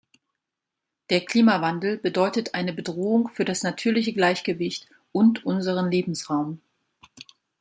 Der Klimawandel bedeutet eine Bedrohung für das natürliche Gleichgewicht und unseren Lebensraum.